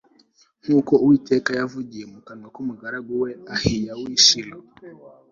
nkuko Uwiteka yavugiye mu kanwa kumugaragu we Ahiya wi Shilo